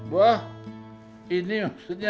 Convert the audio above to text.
wah ini maksudnya